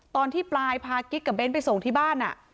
ตอนที่ปลายพากิ๊กกับเน้นไปส่งที่บ้าน